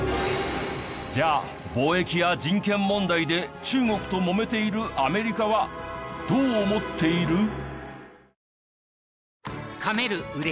じゃあ貿易や人権問題で中国ともめているアメリカはどう思っている？